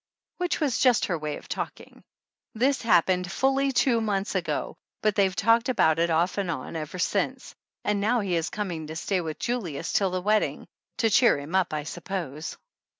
Which was just her way of talking. This happened fully two months ago, but they have talked about it off and on ever since. And now he is coming to stay with Jul ius till the wedding, to cheer him up I suppose.